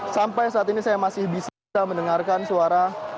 sampai saat ini saya masih bisa mendengarkan suara